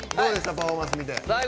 パフォーマンス見て。